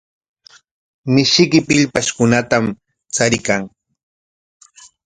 Mishiyki pillpashkunatam chariykan.